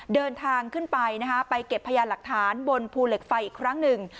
เดินทางขึ้นไปนะคะไปเก็บพยานหลักฐานบนภูเหล็กไฟอีกครั้งหนึ่ง